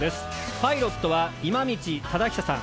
パイロットは今道肇尚さん。